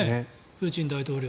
プーチン大統領